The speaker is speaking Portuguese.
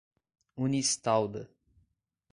Unistalda